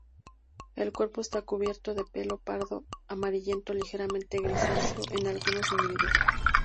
El cuerpo está recubierto de pelo pardo-amarillento, ligeramente grisáceo en algunos individuos.